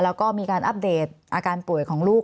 แล้วก็มีการอัปเดตอาการป่วยของลูก